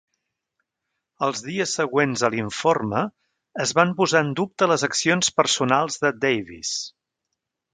Els dies següents a l'informe, es van posar en dubte les accions personals de Davies.